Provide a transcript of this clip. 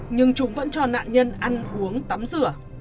nhưng chúng vẫn cho nạn nhân ăn uống tắm rửa